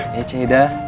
iya cik ida